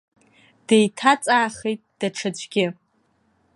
Деиҭаҵаахит даҽаӡәгьы.